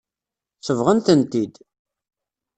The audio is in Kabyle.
Sebɣen-tent-id.